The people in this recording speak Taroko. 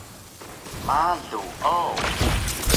Malu o